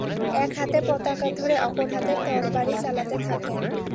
এক হাতে পতাকা ধরে অপর হাতে তরবারি চালাতে থাকেন।